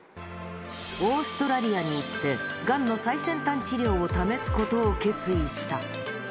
オーストラリアに行って、がんの最先端治療を試すことを決意した。